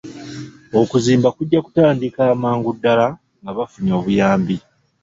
Okuzimba kujja kutandika amangu ddaala nga bafunye obuyambi.